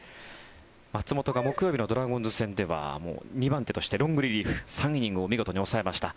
松本が木曜日のドラゴンズ戦では２番手としてロングリリーフ３イニングを見事に抑えました。